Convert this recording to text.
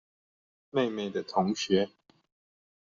妹妹的同學